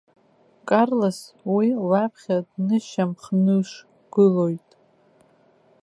Карлос уи лаԥхьа днышьамхнышгылоит.